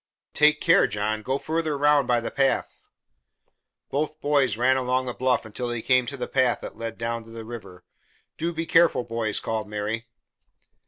"But take care, John. Go further round by the path." Both boys ran along the bluff until they came to a path that led down to the river. "Do be careful, boys!" called Mary.